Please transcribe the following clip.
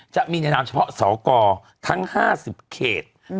จะมีแนะนำเฉพาะศอกรทั้ง๕๐เขต